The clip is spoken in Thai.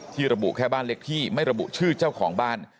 ระบุแค่บ้านเล็กที่ไม่ระบุชื่อเจ้าของบ้าน